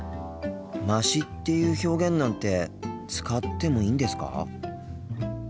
「まし」っていう表現なんて使ってもいいんですか？